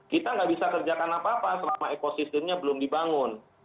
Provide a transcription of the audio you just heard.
kita nggak bisa kerjakan apa apa selama ekosistemnya belum dibangun